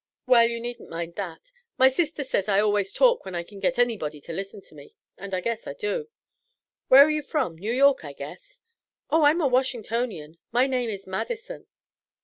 "Well, you needn't mind that. My sister says I always talk when I can git anybody to listen to me, and I guess I do. Where air you from? New York, I guess." "Oh, I am a Washingtonian. My name is Madison."